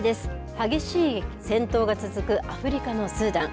激しい戦闘が続くアフリカのスーダン。